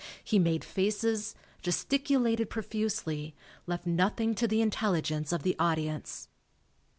He made faces, gesticulated profusely, left nothing to the intelligence of the audience.